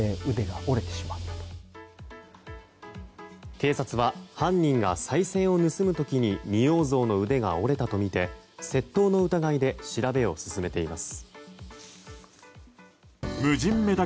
警察は犯人がさい銭を盗む時に仁王像の腕が折れたとみて窃盗の疑いで調べを進めています。